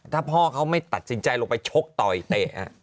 ถ้าพ่อเขาไม่ตัดสินใจลงไปชกต่อยเตะ